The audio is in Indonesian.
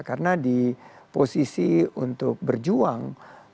karena di posisi untuk berjuang